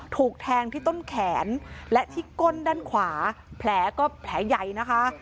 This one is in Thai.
ถูกแทงที่ต้นแขนและที่ก้นด้านขวาแผลก็แผลใหญ่นะคะ